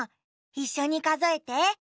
いっしょにかぞえて。